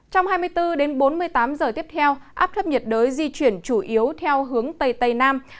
trong hai mươi bốn đến bốn mươi tám giờ tiếp theo áp thấp nhiệt đới di chuyển chủ yếu theo hướng tây tây nam